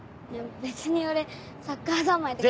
別に俺サッカー三昧とか。